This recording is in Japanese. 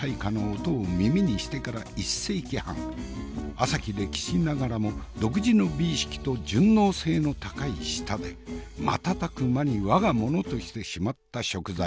浅き歴史ながらも独自の美意識と順応性の高い舌で瞬く間に我が物としてしまった食材